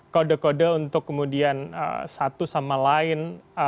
kode kode untuk kemudian satu sama lain